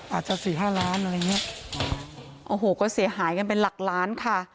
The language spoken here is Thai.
สี่ห้าล้านอะไรอย่างเงี้ยโอ้โหก็เสียหายกันเป็นหลักล้านค่ะ